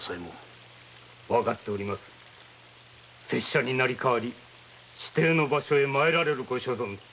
私になり代り指定の場所へ参られるご所存で。。